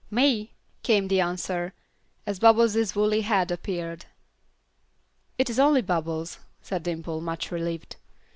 "Me," came the answer, as Bubbles' woolly head appeared. "It is only Bubbles," said Dimple, much relieved.